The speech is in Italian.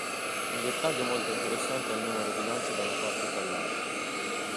Un dettaglio molto interessante è il numero di lance da una parte e dall'altra.